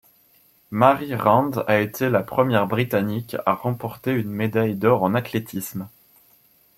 Mary Rand a été la première Britannique à remporter une médaille d'or en athlétisme.